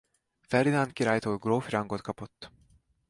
Ferdinánd királytól grófi rangot kapott.